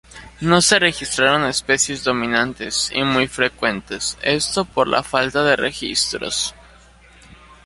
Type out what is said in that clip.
No se registraron especies dominantes y muy frecuentes, esto por la falta de registros.